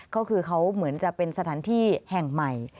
ก็คือเหมือนจะเป็นที่แห่งใหม่